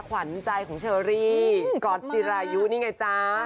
ขวัญใจของเชอรี่ก๊อตจิรายุนี่ไงจ๊ะ